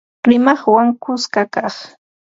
Rimaqwan kuska kaq